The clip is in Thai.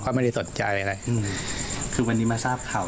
ก็ไม่ได้สนใจอะไรอืมคือวันนี้มาทราบข่าว